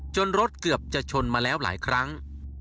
รถเกือบจะชนมาแล้วหลายครั้ง